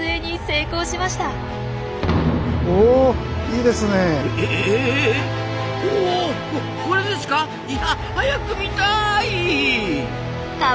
いや早く見たい！